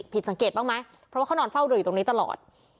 ผิดสังเกตบ้างไหมเพราะว่าเขานอนเฝ้าดูอยู่ตรงนี้ตลอด